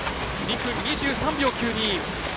２分２３秒９２。